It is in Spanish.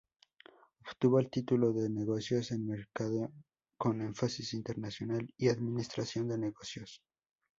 Obtuvo el título de Negocios en Mercadeo con Énfasis Internacional y Administración de Negocios.